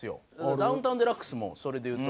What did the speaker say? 『ダウンタウンＤＸ』もそれで言うと。